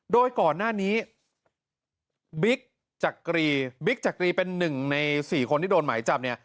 โดยก่อนหน้านี้บิ๊กจักรีเป็นหนึ่งในสี่คนที่โดนไหมจับ